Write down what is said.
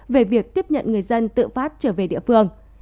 về việc tiếp nhận người dân tự phát trở về địa phương